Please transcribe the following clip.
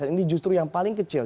ini justru yang paling kecil